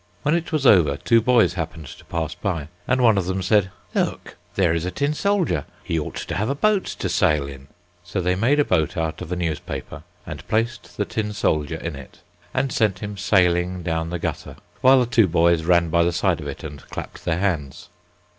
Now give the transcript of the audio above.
When it was over, two boys happened to pass by, and one of them said, "Look, there is a tin soldier. He ought to have a boat to sail in." So they made a boat out of a newspaper, and placed the tin soldier in it, and sent him sailing down the gutter, while the two boys ran by the side of it, and clapped their hands.